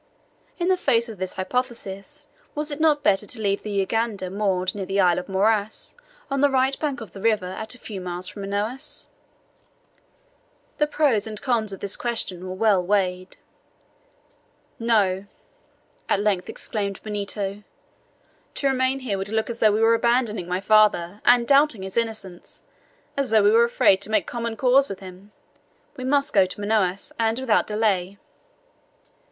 In the face of this hypothesis was it not better to leave the jangada moored near the Isle of Muras on the right bank of the river at a few miles from Manaos? The pros and cons of the question were well weighed. "No!" at length exclaimed Benito; "to remain here would look as though we were abandoning my father and doubting his innocence as though we were afraid to make common cause with him. We must go to Manaos, and without delay."